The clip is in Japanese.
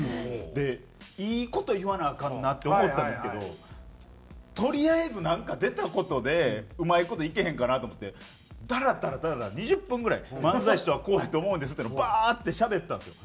でいい事言わなアカンなって思ったんですけどとりあえずなんか出た事でうまい事いけへんかなと思ってだらだらだらだら２０分ぐらい漫才師とはこうやと思うんですっていうのをバーッてしゃべったんですよ。